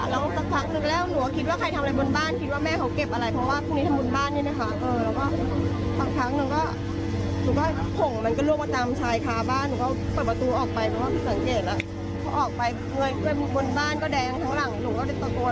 แล้วสักพักนึงแล้วหนูก็คิดว่าใครทำอะไรบนบ้านคิดว่าแม่เขาเก็บอะไรเพราะว่าพรุ่งนี้ทำบุญบ้านนี่นะคะ